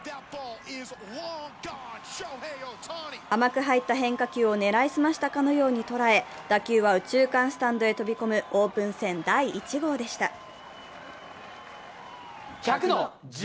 甘く入った変化球を狙い澄ましたかのように捉え、打球は右中間スタンドへ飛び込むオープン戦第１号でした。